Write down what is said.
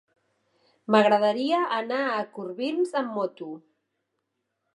M'agradaria anar a Corbins amb moto.